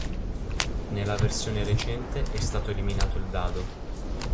Nella versione recente è stato eliminato il dado.